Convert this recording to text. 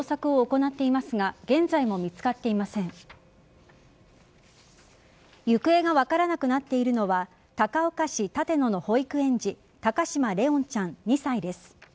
行方が分からなくなっているのは高岡市立野の保育園児高嶋怜音ちゃん、２歳です。